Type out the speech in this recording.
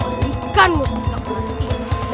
memberikan mustika ular ini